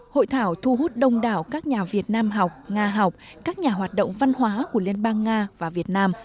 hội thảo thu hút đông đảo các nhà việt nam học nga học các nhà hoạt động văn hóa của liên bang nga và việt nam